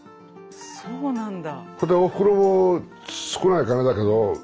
そうなんだ。